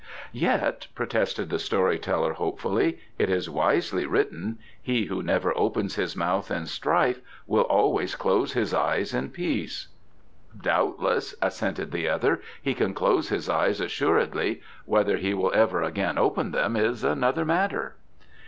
"Yet," protested the story teller hopefully, "it is wisely written: 'He who never opens his mouth in strife can always close his eyes in peace.'" "Doubtless," assented the other. "He can close his eyes assuredly. Whether he will ever again open them is another matter."